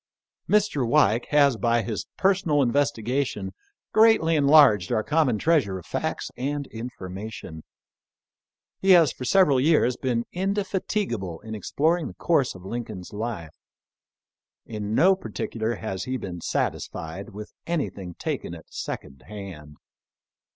Mr. Weik has by his personal investigation greatly enlarged our common treasure of facts and informa tion. He has for several years been indefatigable in exploring the course of Lincoln's life. In no particular has he been satisfied with anything taken at second hand.